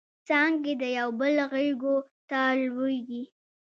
څانګې د یوبل غیږو ته لویږي